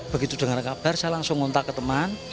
begitu dengar kabar saya langsung ngontak ke teman